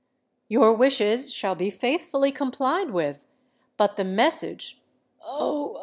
"Your wishes shall be faithfully complied with. But the message——" "Oh!